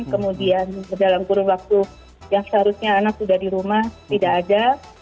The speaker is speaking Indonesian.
kemudian dalam kurun waktu yang seharusnya anak sudah di rumah tidak ada